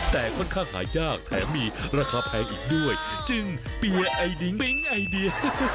แต่ค่อนข้างหายากแถมมีราคาแพงอีกด้วยจึงเปียร์ไอดิ้งมิ้งไอเดีย